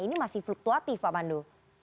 ini masih fluktuatif pak pandu